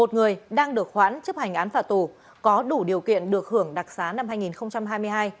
một người đang được khoản chấp hành án phạt tù có đủ điều kiện được hưởng đặc xá năm hai nghìn hai mươi hai